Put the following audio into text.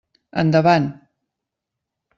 Endavant!